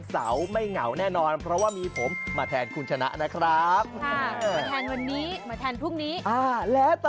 เดี๋ยวเราก็มาบอกเราเอง